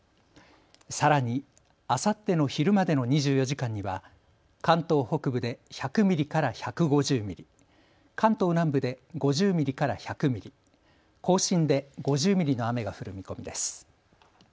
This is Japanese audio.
さらにあさっての昼までの２４時間には関東北部で１００ミリから１５０ミリ、関東南部で５０ミリから１００ミリ、甲信で５０ミリの雨が降る見込みです。